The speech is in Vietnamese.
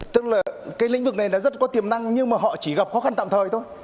tức là cái lĩnh vực này là rất có tiềm năng nhưng mà họ chỉ gặp khó khăn tạm thời thôi